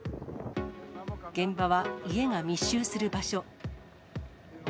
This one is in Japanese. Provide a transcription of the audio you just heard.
現場は家が密集する場所。